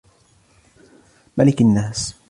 مَلِكِ النَّاسِ